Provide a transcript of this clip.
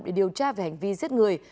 để điều tra về hành vi giết người